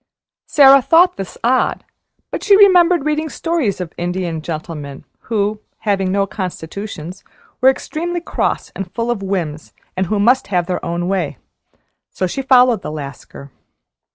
Sara thought this odd, but she remembered reading stories of Indian gentlemen who, having no constitutions, were extremely cross and full of whims, and who must have their own way. So she followed the Lascar.